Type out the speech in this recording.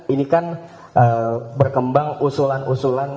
ini kan berkembang usulan usulan